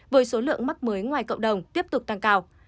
với số lượng mắc mới ngoài cộng đồng tiếp tục tăng cao